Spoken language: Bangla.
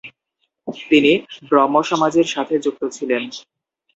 তিনি ব্রাহ্মসমাজের সাথে যুক্ত ছিলেন।